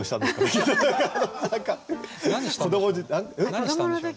何したんでしょう？